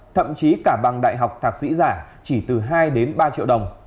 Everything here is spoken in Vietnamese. thậm chí cả bằng đại học thạc sĩ giả chỉ từ hai đến ba triệu đồng